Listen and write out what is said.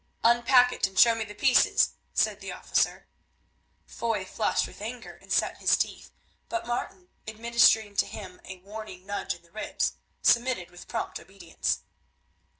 "Unpack it and show me the pieces," said the officer. Foy flushed with anger and set his teeth, but Martin, administering to him a warning nudge in the ribs, submitted with prompt obedience.